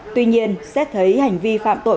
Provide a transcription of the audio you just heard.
tuy nhiên xét thấy hành vi phạm tội